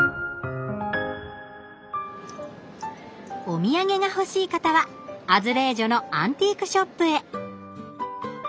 お土産が欲しい方はアズレージョのアンティークショップへ。